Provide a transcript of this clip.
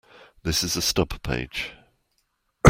This is a stub page.